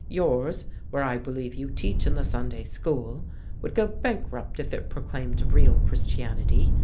Yours, where I believe you teach in the Sunday school, would go bankrupt if it proclaimed real Christianity.